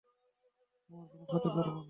তোমার কোনো ক্ষতি করবো না।